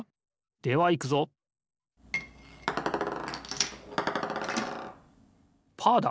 ではいくぞパーだ！